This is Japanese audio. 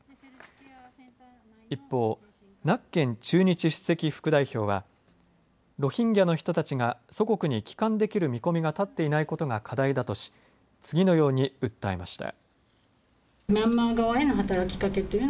一方ナッケン駐日主席副代表はロヒンギャの人たちが祖国に帰還できる見込みが立っていないことが課題だとし次のように訴えました。